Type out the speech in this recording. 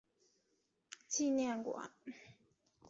他在帕德龙的故居已辟为纪念馆。